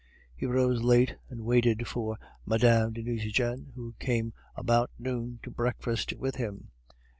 He rose late, and waited for Mme. de Nucingen, who came about noon to breakfast with him.